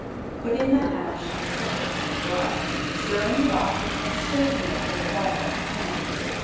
Put in the hash and cook it till dry, stirring it often and scraping it from the bottom of the pan.